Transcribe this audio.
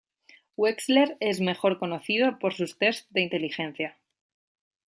Wechsler, es mejor conocido por sus tests de inteligencia.